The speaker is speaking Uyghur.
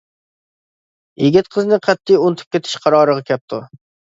يىگىت قىزنى قەتئىي ئۇنتۇپ كېتىش قارارىغا كەپتۇ.